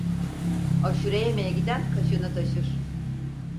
Aşure yemeye giden kaşığını taşır.